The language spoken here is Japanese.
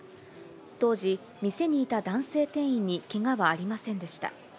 当時、店にいた男性店員にけがはありませんでした。